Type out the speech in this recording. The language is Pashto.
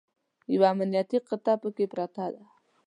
یوه امنیتي قطعه پکې پرته ده.